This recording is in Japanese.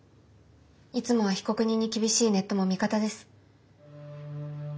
いつもは被告人に厳しいネットも味方です。